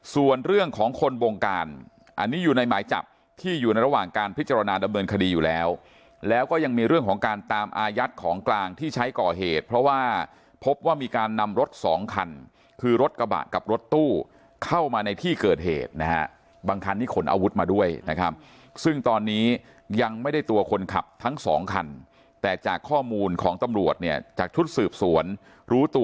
ส่วนเรื่องของคนบงการอันนี้อยู่ในหมายจับที่อยู่ในระหว่างการพิจารณาดำเนินคดีอยู่แล้วแล้วก็ยังมีเรื่องของการตามอายัดของกลางที่ใช้ก่อเหตุเพราะว่าพบว่ามีการนำรถสองคันคือรถกระบะกับรถตู้เข้ามาในที่เกิดเหตุนะฮะบางคันนี้ขนอาวุธมาด้วยนะครับซึ่งตอนนี้ยังไม่ได้ตัวคนขับทั้งสองคันแต่จากข้อมูลของตำรวจเนี่ยจากชุดสืบสวนรู้ตัว